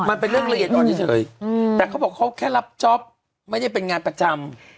มันเป็นเรื่องละเอียดอ่อนเฉยแต่เขาบอกเขาแค่รับจ๊อปไม่ได้เป็นงานประจำ